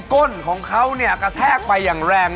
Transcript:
ก้นของเขาเนี่ยกระแทกไปอย่างแรง